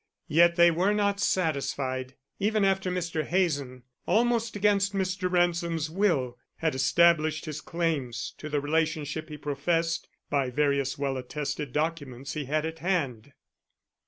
Yet they were not satisfied, even after Mr. Hazen, almost against Mr. Ransom's will, had established his claims to the relationship he professed, by various well attested documents he had at hand.